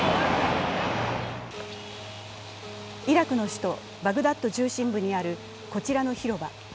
イラクの首都バグダッド中心部にあるこちらの広場。